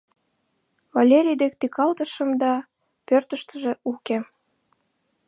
Валерий дек тӱкалтышым да — пӧртыштыжӧ уке.